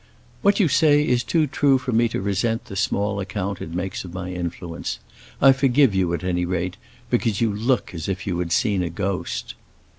"What you say is too true for me to resent the small account it makes of my influence. I forgive you, at any rate, because you look as if you had seen a ghost."